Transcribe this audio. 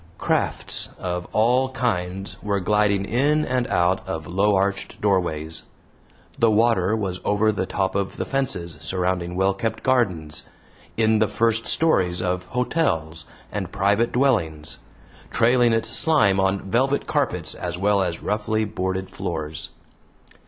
Crafts of all kinds were gliding in and out of low arched doorways. The water was over the top of the fences surrounding well kept gardens, in the first stories of hotels and private dwellings, trailing its slime on velvet carpets as well as roughly boarded floors.